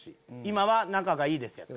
「今は仲がいいです」